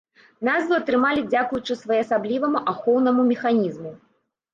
Назву атрымалі дзякуючы своеасабліваму ахоўнаму механізму.